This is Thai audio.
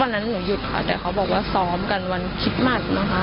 หนูหยุดค่ะแต่เขาบอกว่าซ้อมกันวันคิดหมัดนะคะ